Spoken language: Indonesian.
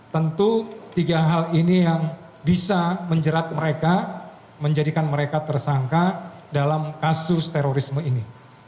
tentu tiga hal ini yang bisa menjerat mereka menjadikan mereka tersangka dalam kasus terorisme ini